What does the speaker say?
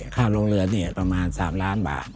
ค่าโรงเรือนเนี่ยประมาณ๓ล้านบาท